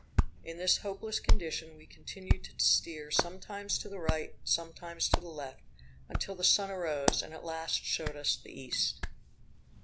In this hopeless condition, we continued to steer sometimes to the right and sometimes to the left, until the sun arose, and at last showed us the east.